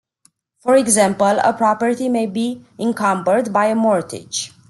For example, a property may be encumbered by a mortgage.